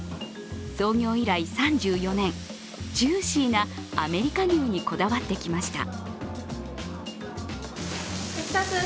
創業以来３４年、ジューシーなアメリカ牛にこだわってきました。